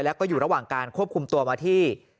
แล้วก็อยู่ระหว่างการควบคุมตัวมาที่